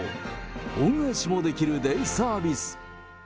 恩返しもできるデイサービス！